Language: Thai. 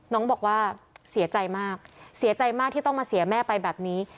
น้องบอกว่าเสียใจมากเสียใจมากที่ต้องมาเสียแม่ไปแบบนี้